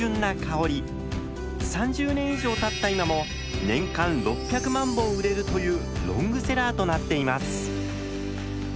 ３０年以上たった今も年間６００万本売れるというロングセラーとなっています。